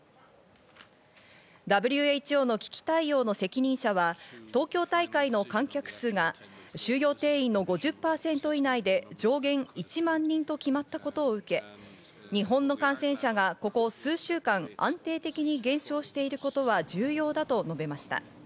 ＷＨＯの危機対応の責任者は、東京大会の観客数が収容定員の５０％以内で上限１万人と決まったことを受け、日本の感染者がここ数週間安定的に減少していることは重要だと述べました。